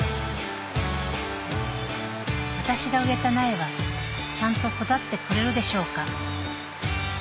［私が植えた苗はちゃんと育ってくれるでしょうか］